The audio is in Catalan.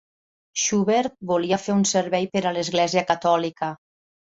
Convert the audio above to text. Schubert volia fer un servei per a l'església catòlica.